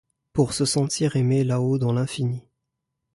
Pour se sentir aimé là-haut dans l’infini ;